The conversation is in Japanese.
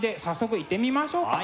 はいいってみましょう。